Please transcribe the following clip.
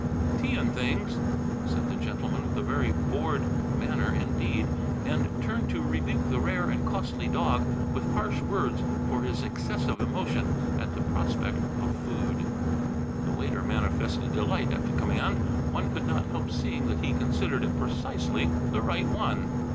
"Tea and things," said the gentleman with a very bored manner indeed, and turned to rebuke the rare and costly dog with harsh words for his excessive emotion at the prospect of food. The waiter manifested delight at the command; one could not help seeing that he considered it precisely the right one.